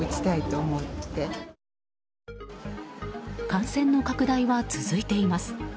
感染の拡大は続いています。